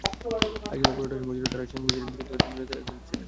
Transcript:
আয়োজনের পুরোটা সময় জুড়ে তাঁরা সঙ্গে ছিলেন, কিন্তু ছিলেন মিলনায়তনের একদম পেছনে।